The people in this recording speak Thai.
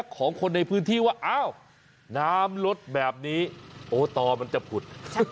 ความลดแบบนี้โอ้ตอมันจะผุด